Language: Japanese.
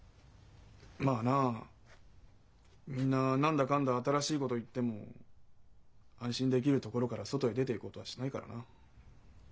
まあなみんな何だかんだ新しいこと言っても安心できるところから外へ出ていこうとはしないからな。